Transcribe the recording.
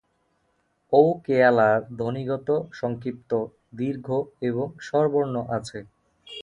ওউকেয়ালার ধ্বনিগত সংক্ষিপ্ত, দীর্ঘ এবং স্বরবর্ণ আছে।